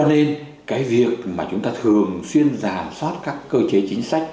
nên cái việc mà chúng ta thường xuyên giả soát các cơ chế chính sách